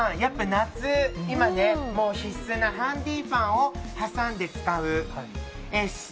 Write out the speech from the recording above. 夏、今は必須なハンディーファンを挟んで使う。